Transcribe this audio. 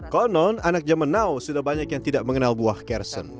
konon anak zaman now sudah banyak yang tidak mengenal buah kersen